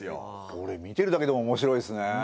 これ見てるだけでもおもしろいですね。